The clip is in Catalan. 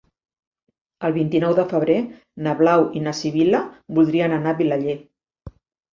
El vint-i-nou de febrer na Blau i na Sibil·la voldrien anar a Vilaller.